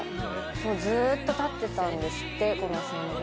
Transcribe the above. ずーっと立ってたんですってこの診療所。